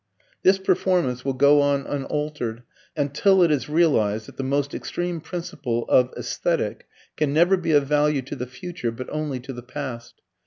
This performance will go on unaltered until it is realized that the most extreme principle of aesthetic can never be of value to the future, but only to the past.